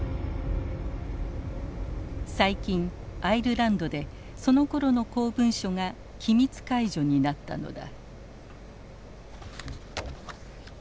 最近アイルランドでそのころの公文書が機密解除になったのだ。